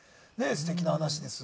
すてきな話です。